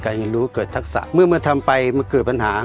เรียนรู้เกิดทักษะเมื่อทำไปมันเกิดปัญหา